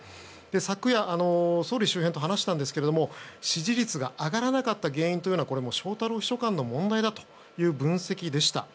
昨夜、総理周辺と話したんですけれども支持率が上がらなかった原因は翔太郎秘書官の問題だという分析でした。